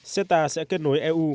ceta sẽ kết nối eu